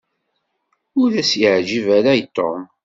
Ur as-yeɛǧib ara i Tom.